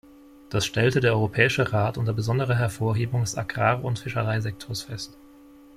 Das stellte der Europäische Rat unter besonderer Hervorhebung des Agrarund Fischereisektors fest.